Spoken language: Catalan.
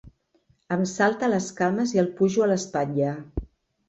Em salta a les cames i el pujo a l'espatlla.